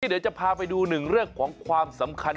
เดี๋ยวจะพาไปดูหนึ่งเรื่องของความสำคัญ